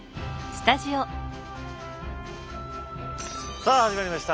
さあ始まりました。